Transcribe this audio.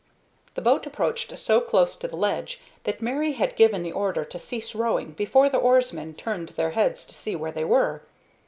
The boat approached so close to the ledge that Mary had given the order to cease rowing before the oarsmen turned their heads to see where they were.